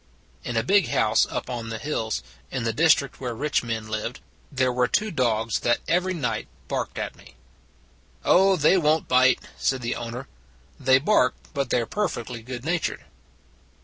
In a big house up on the hills, in the district where rich men lived, there were two dogs that every night barked at me. " Oh, they won t bite," said the owner. They bark, but they re perfectly good natured."